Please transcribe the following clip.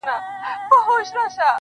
او د خپل زړه په تصور كي مي.